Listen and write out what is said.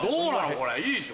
これいいでしょ？